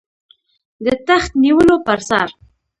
د تخت نیولو پر سر.